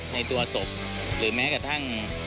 ในตัวศพหรือแม้กระทั่ง